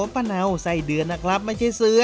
ป้าเนาไส้เดือนนะครับไม่ใช่เสือ